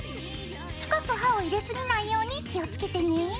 深く刃を入れすぎないように気をつけてね。